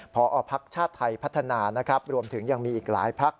พอพักชาติไทยพัฒนานะครับรวมถึงยังมีอีกหลายพัก